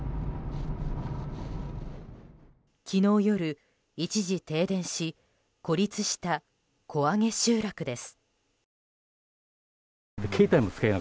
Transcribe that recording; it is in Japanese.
昨日夜、一時停電し孤立した小揚集落です。